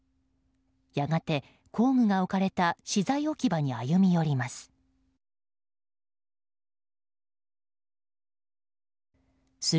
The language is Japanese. やがて工具が置かれた資材置き場に歩み寄ります。